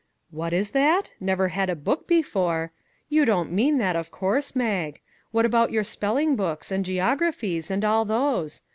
" What is that ? Never had a book before ! You don't mean that, of course, Mag. What about your spelling books, and geographies, and all those?